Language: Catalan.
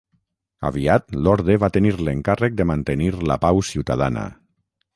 Aviat l'orde va tenir l'encàrrec de mantenir la pau ciutadana.